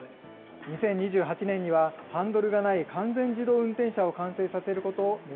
２０２８年には、ハンドルがない完全自動運転車を完成させること